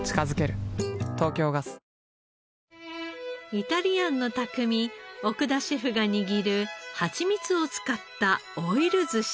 イタリアンの匠奥田シェフが握るハチミツを使ったオイル寿し。